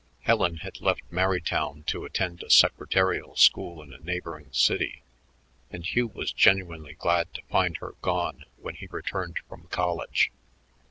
Helen had left Merrytown to attend a secretarial school in a neighboring city, and Hugh was genuinely glad to find her gone when he returned from college.